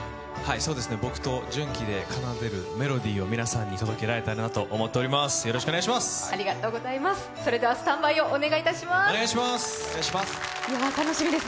僕と純喜で奏でるメロディーを皆さんに届けられたらと思います。